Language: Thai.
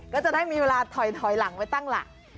ก็จะได้มีเวลาถอยหลังไว้ตั้งหลัก